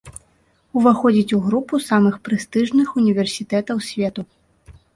Уваходзіць у групу самых прэстыжных універсітэтаў свету.